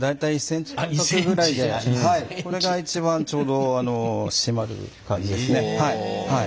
これが一番ちょうど締まる感じですね。